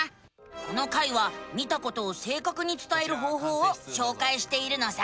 この回は見たことをせいかくにつたえる方法をしょうかいしているのさ。